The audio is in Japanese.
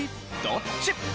どっち？